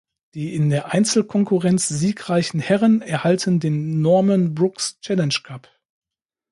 Die in der Einzelkonkurrenz siegreichen Herren erhalten den "Norman Brookes Challenge Cup".